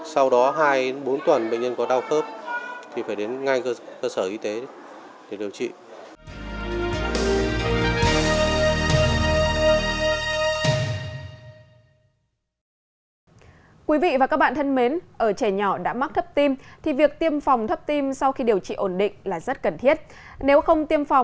sau đó hai bốn tuần bệnh nhân có đau khớp